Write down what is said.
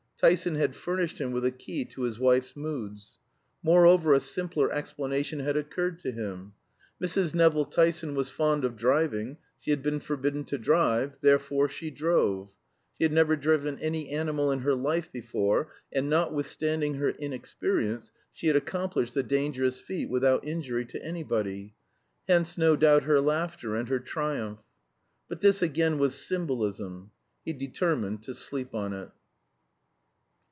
Tyson had furnished him with a key to his wife's moods. Moreover, a simpler explanation had occurred to him. Mrs. Nevill Tyson was fond of driving; she had been forbidden to drive, therefore she drove; she had never driven any animal in her life before, and, notwithstanding her inexperience, she had accomplished the dangerous feat without injury to anybody. Hence no doubt her laughter and her triumph. But this again was symbolism. He determined to sleep on it.